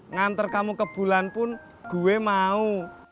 ngantar kamu ke bulan pun gue mau